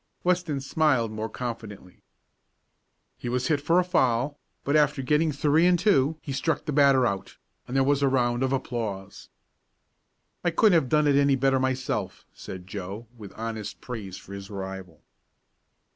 Weston smiled more confidently. He was hit for a foul, but after getting three and two he struck the batter out, and there was a round of applause. "I couldn't have done it any better myself," said Joe, with honest praise for his rival.